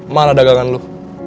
malah dagangan lo